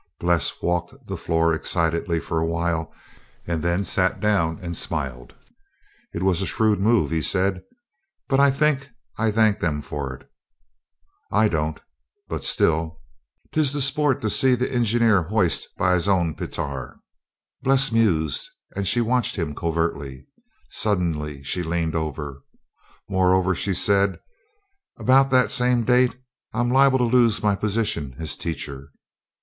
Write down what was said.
Bles walked the floor excitedly for a while and then sat down and smiled. "It was a shrewd move," he said; "but I think I thank them for it." "I don't. But still, "''T is the sport to see the engineer hoist by his own petar.'" Bles mused and she watched him covertly. Suddenly she leaned over. "Moreover," she said, "about that same date I'm liable to lose my position as teacher."